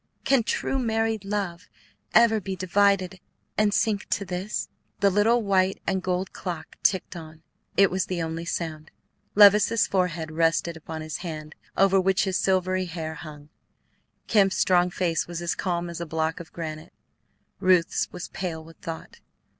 Can true married love ever be divided and sink to this?" The little white and gold clock ticked on; it was the only sound. Levice's forehead rested upon his hand over which his silvery hair hung. Kemp's strong face was as calm as a block of granite; Ruth's was pale with thought.